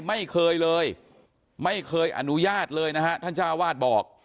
ไม่เคยเลยไม่เคยอนุญาตเลยนะฮะท่านเจ้าวาดบอก